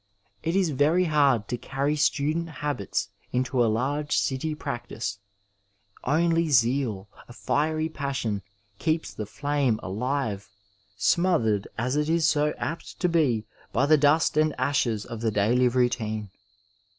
It is very hard to carry student habits into a large city practice ; only zeal, a fiery passion, keeps the flame alive, smothered as it is so apt to be by the dust and ashes of the daily routine.